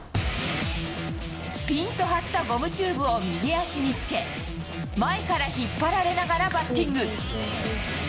ぴんと張ったゴムチューブを右脚につけ、前から引っ張られながら、バッティング。